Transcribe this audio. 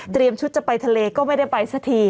ชุดจะไปทะเลก็ไม่ได้ไปสักที